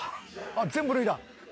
「あっ全部脱いだ」